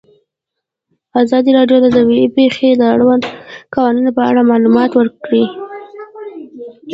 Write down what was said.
ازادي راډیو د طبیعي پېښې د اړونده قوانینو په اړه معلومات ورکړي.